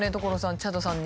チャドさんに。